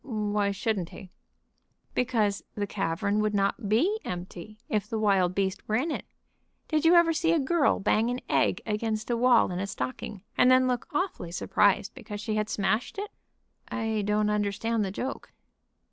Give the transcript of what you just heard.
"Why shouldn't he?" "Because the cavern would not be empty if the wild beast were in it. Did you ever see a girl bang an egg against a wall in a stocking, and then look awfully surprised because she had smashed it?" "I don't understand the joke."